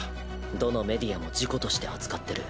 どのメディアも事故として扱ってる。